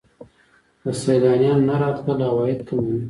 د سیلانیانو نه راتلل عواید کموي.